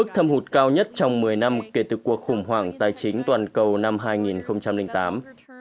cao nhất trong một mươi năm kể từ cuộc khủng hoảng tài chính toàn cầu năm hai nghìn tám